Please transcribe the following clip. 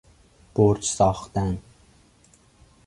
برج ساختن